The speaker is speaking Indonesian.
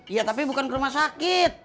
iya tapi bukan ke rumah sakit